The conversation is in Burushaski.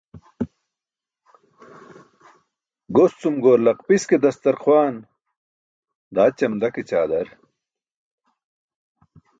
Goscum goor laqpis ke dastar xwaan, daa ćamda ke ćaadar.